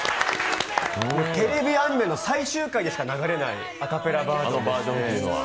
テレビアニメの最終回でしか流れないアカペラバージョンで。